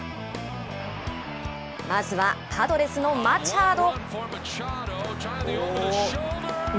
まずはパドレスのマチャード。